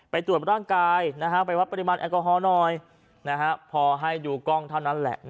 ตรวจร่างกายไปวัดปริมาณแอลกอฮอล์หน่อยพอให้ดูกล้องเท่านั้นแหละ